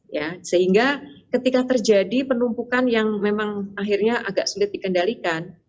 ya sehingga ketika terjadi penumpukan yang memang akhirnya agak sulit dikendalikan